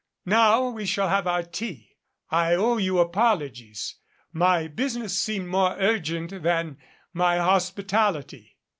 Now we shall have our tea. I owe you apologies. My business seemed more urgent than my hospitality."